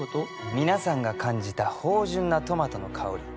皆さんが感じた芳醇なトマトの香り